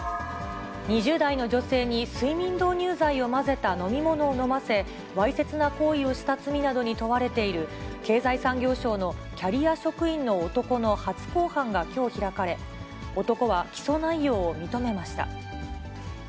２０代の女性に睡眠導入剤を混ぜた飲み物を飲ませ、わいせつな行為をした罪などに問われている、経済産業省のキャリア職員の男の初公判がきょう開かれ、男は起訴内容を認めました。